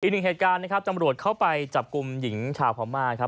อีกหนึ่งเหตุการณ์นะครับตำรวจเข้าไปจับกลุ่มหญิงชาวพม่าครับ